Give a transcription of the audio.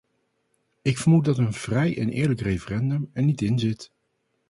Ik vermoed dat een vrij en eerlijk referendum er niet in zit.